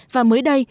và mới đây